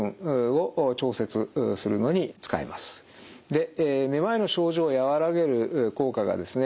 これもでめまいの症状を和らげる効果がですね